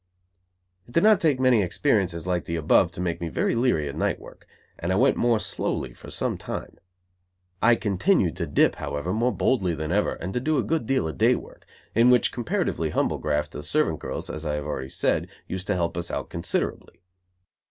It did not take many experiences like the above to make me very leary of night work; and I went more slowly for some time. I continued to dip, however, more boldly than ever and to do a good deal of day work; in which comparatively humble graft the servant girls, as I have already said, used to help us out considerably.